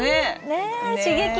ねえ刺激が。